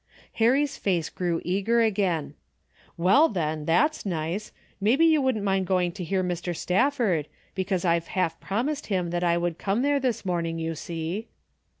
Harry's face grew eager again. "Well, then, that's nice. Maybe you wouldn't mind going to hear Mr. Stafford, be cause I've half promised him that I would come there this morning, you see."